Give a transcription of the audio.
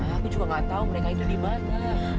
aku juga gak tahu mereka itu di mana